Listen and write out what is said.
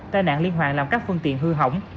tai nạn liên hoàn làm các phương tiện hư hỏng